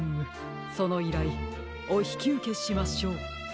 そのいらいおひきうけしましょう。